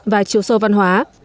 và chiều sâu văn hóa